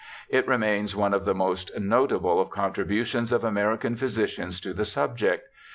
It remains one of the most notable of contributions of American physicians to the subject.